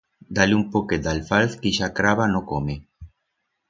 Da-le un poquet d'alfalz que ixa craba no come.